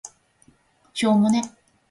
しょーもね